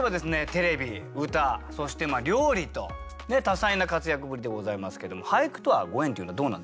テレビ歌そして料理と多彩な活躍ぶりでございますけども俳句とはご縁というのはどうなんでしょうか？